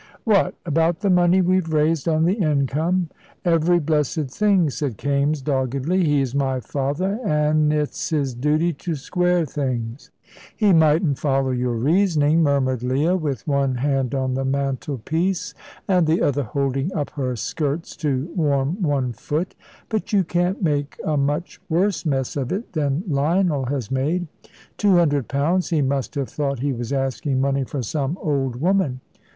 "What, about the money we've raised on the income?" "Every blessed thing," said Kaimes, doggedly; "he's my father, an' it's his duty to square things." "He mightn't follow your reasoning," murmured Leah, with one hand on the mantelpiece and the other holding up her skirts to warm one foot. "But you can't make a much worse mess of it than Lionel has made. Two hundred pounds he must have thought he was asking money for some old woman.